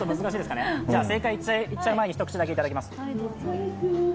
正解言っちゃう前に、一口だけいただきます。